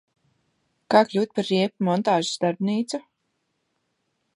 Kā kļūt par riepu montāžas darbnīcu?